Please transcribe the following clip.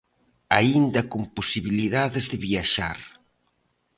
Aínda con posibilidades de viaxar.